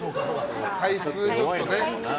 体質がちょっとね。